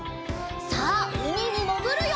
さあうみにもぐるよ！